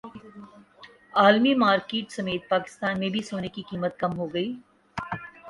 عالمی مارکیٹ سمیت پاکستان میں بھی سونے کی قیمت کم ہوگئی